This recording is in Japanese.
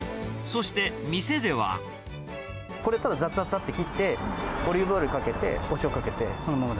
これ、ただ、ざざざっと切って、オリーブオイルかけて、お塩かけて、そのままで。